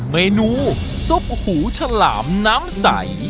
เมนูซุปหูฉลามน้ำใส